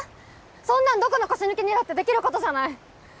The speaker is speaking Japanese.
そんなのどこの腰抜けにだってできることじゃない！